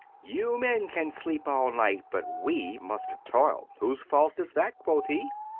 You men can sleep all night, but we Must toil." "Whose fault is that?" quoth he.